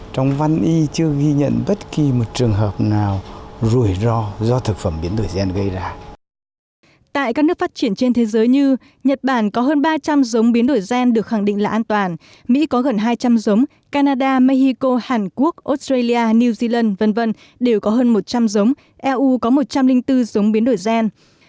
tại các nước phát triển trên thế giới như nhật bản có hơn ba trăm linh giống biến đổi gen được khẳng định là an toàn mỹ có gần hai trăm linh giống canada mexico hàn quốc australia new zealand v v đều có hơn một trăm linh giống eu có một trăm linh bốn giống biến đổi gen